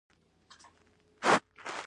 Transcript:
بدرنګه زړه له دعاوو خالي وي